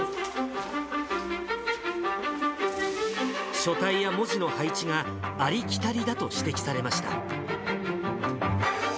書体や文字の配置が、ありきたりだと指摘されました。